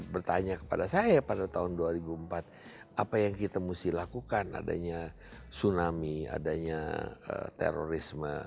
bertanya kepada saya pada tahun dua ribu empat apa yang kita mesti lakukan adanya tsunami adanya terorisme